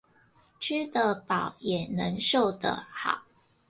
吃得飽，也能瘦得好！